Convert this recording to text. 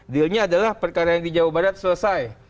dealnya adalah perkara yang di jawa barat selesai